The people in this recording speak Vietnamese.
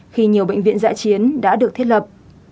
khi nhiều bệnh viện giã chiến đã được thiết lập